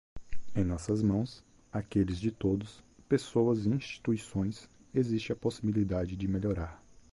Em nossas mãos, aqueles de todos, pessoas e instituições, existe a possibilidade de melhorar.